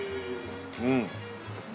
うん。